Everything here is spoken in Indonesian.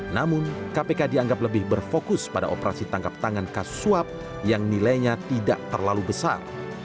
namun kpk dianggap lebih berfokus pada operasi tangkap tangan kasus suap yang nilainya tidak terlalu besar